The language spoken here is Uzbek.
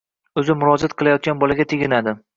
o‘zi murajaat qilayotgan bolaga teginadi.